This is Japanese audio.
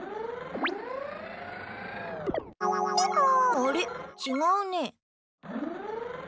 あれちがうね。